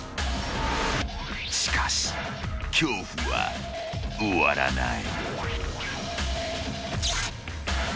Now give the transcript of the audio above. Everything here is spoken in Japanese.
［しかし恐怖は終わらない］